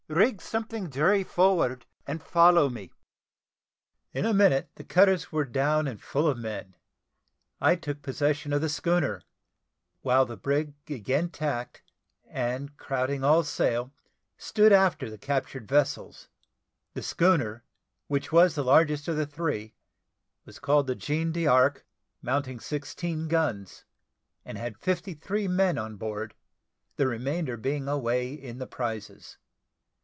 Rig something jury forward, and follow me." In a minute the cutters were down and full of men. I took possession of the schooner, while the brig again tacked, and crowding all sail stood after the captured vessels. The schooner, which was the largest of the three, was called the Jean d'Arc, mounting sixteen guns, and had fifty three men on board, the remainder being away in the prizes.